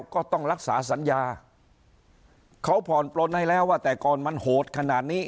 ก็ต้องรักษาสัญญาเขาผ่อนปลนให้แล้วว่าแต่ก่อนมันโหดขนาดนี้